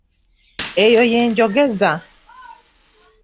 Eyo ye njogeza.